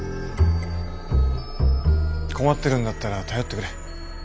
困ってるんだったら頼ってくれ。